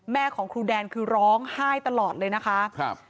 แม่ของครูแดนคือร้องไห้ตลอดเลยนะคะ